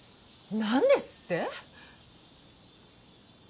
・何ですって！？